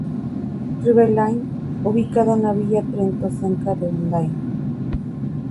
Trevelyan, ubicada en la Villa Trento cerca de Udine.